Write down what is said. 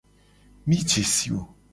Mi je si wo.